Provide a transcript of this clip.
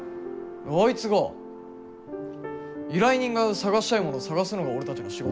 あいつが依頼人が探したいものを探すのが俺たちの仕事ですよね。